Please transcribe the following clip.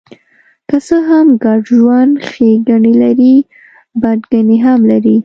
که څه هم ګډ ژوند ښېګڼې لري، بدګڼې هم لري.